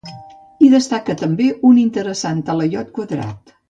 Hi destaca també un interessant talaiot quadrat.